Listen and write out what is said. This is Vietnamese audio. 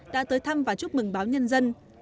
đã tới thăm và chúc mừng báo nhân dân